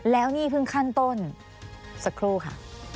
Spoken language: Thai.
แล้วนี่เพิ่งขั้นต้นสักครู่ค่ะ